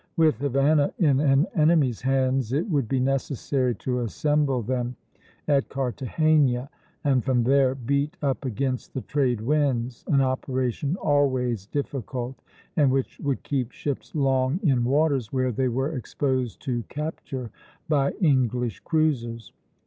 With Havana in an enemy's hands it would be necessary to assemble them at Cartagena and from there beat up against the trade winds, an operation always difficult, and which would keep ships long in waters where they were exposed to capture by English cruisers.